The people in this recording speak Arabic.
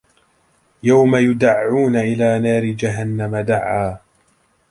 يوم يدعون إلى نار جهنم دعا